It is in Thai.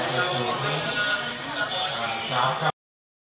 ถึงเมืองนำลอง